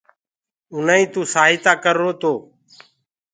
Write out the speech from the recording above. اُنآئين تو سآهتآ ڪررو تو